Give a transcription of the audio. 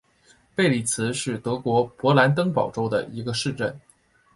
贝利茨是德国勃兰登堡州的一个市镇。